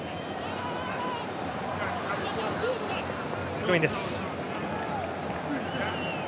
スローインです。